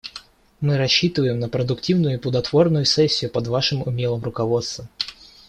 Мы рассчитываем на продуктивную и плодотворную сессию под Вашим умелым руководством.